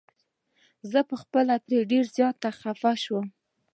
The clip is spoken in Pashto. زه خپله پرې ډير زيات خفه شوم.